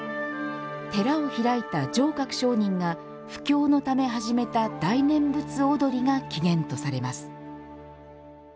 寺を開いた定覚上人が布教のため始めた大念仏踊りが起源とされます。